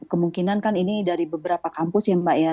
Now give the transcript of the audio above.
kemungkinan kan ini dari beberapa kampus ya mbak ya